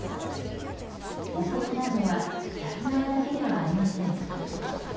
お得なのは客側だけではありません。